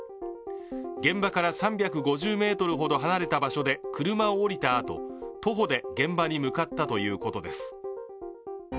現場から３５０ｍほど離れた場所で車を降りたあと徒歩で現場に向かったということです。